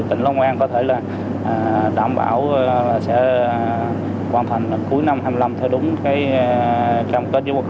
tỉnh long an có thể là đảm bảo sẽ hoàn thành cuối năm